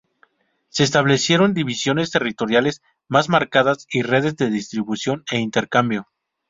Se establecieron divisiones territoriales más marcadas y redes de distribución e intercambio.